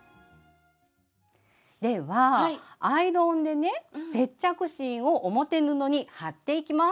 ではアイロンでね接着芯を表布に貼っていきます。